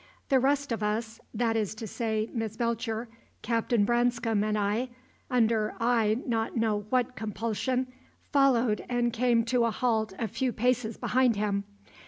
The rest of us that is to say, Miss Belcher, Captain Branscome, and I under I know not what compulsion, followed and came to a halt a few paces behind him.